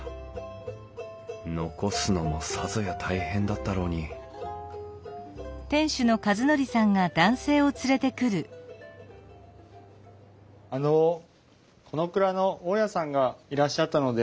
残すのもさぞや大変だったろうにあのこの蔵の大家さんがいらっしゃったので。